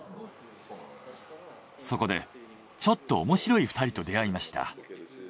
そこでちょっとおもしろい２人と出会いました。